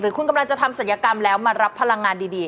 คุณกำลังจะทำศัลยกรรมแล้วมารับพลังงานดี